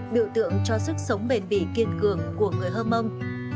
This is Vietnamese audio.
biểu tượng cho sức sống bền bỉ kiên cường của người hơ mông